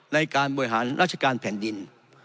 ในการบริหารราชการแผ่นดิน